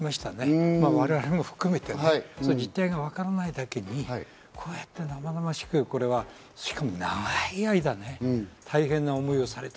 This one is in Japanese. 我々も含めてね、実態がわからないだけに、こうやって生々しくしかも長い間ね、大変な思いをされた。